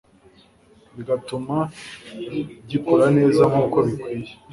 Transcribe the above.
bigatuma gikura neza nkuko bikwiye